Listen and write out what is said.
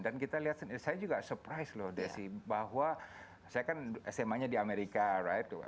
dan kita lihat saya juga surprise loh desi bahwa saya kan sma nya di amerika right